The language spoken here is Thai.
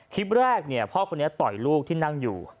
คลิปแรกพ่อคนนี้ต่อยลูกที่นั่งอยู่